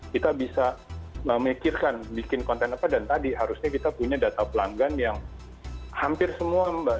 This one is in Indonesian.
kita bisa memikirkan bikin konten apa dan tadi harusnya kita punya data pelanggan yang hampir semua mbak